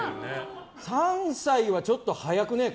３歳はちょっと早くねえか？